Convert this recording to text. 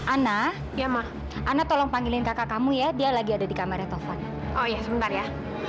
ana ya mah ana tolong panggilin kakak kamu ya dia lagi ada di kamarnya tovan oh iya sebentar ya